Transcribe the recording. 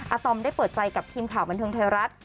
ตอมได้เปิดใจกับทีมข่าวบันเทิงไทยรัฐ